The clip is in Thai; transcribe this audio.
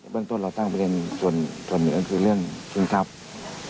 เรื่องต้นเราตั้งประเด็นส่วนหนึ่งก็คือเรื่องชิงทรัพย์